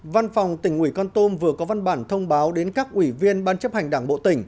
văn phòng tỉnh ủy con tum vừa có văn bản thông báo đến các ủy viên ban chấp hành đảng bộ tỉnh